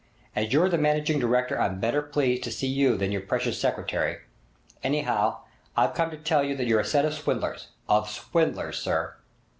As you're the managing director I'm better pleased to see you than your precious secretary. Anyhow, I've come to tell you that you're a set of swindlers! Of swindlers, sir!'